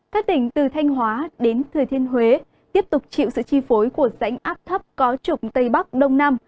các tỉnh từ thanh hóa đến thừa thiên huế tiếp tục chịu sự chi phối của rãnh áp thấp có trục tây bắc đông nam